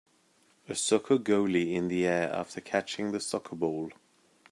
A soccer goalie in the air after catching the soccer ball.